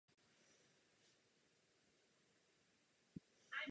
Znamená to odstranění rozdílů v rámci regionů i mezi nimi.